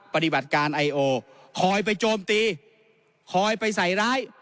ปฏิบัติการไอโอคอยไปโจมตีคอยไปใส่ร้าย